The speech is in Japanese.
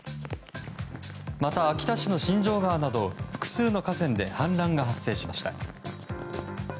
また、秋田市の新城川など複数の河川で氾濫が発生しました。